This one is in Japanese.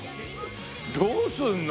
どうすんの？